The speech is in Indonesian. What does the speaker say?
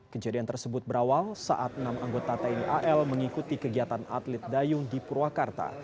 kejadian tersebut berawal saat enam anggota tni al mengikuti kegiatan atlet dayung di purwakarta